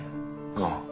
ああ。